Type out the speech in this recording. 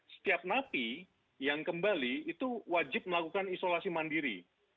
setiap napi yang kembali itu wajib melakukan isolasi mandiri